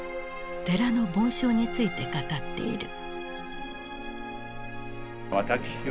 寺の梵鐘について語っている。